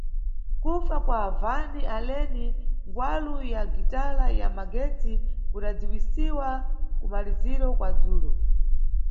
Kufa kwa Van Halen, ngwalu ya gitala ya magetsi, kudadziwisiwa kumaliziro kwa dzulo.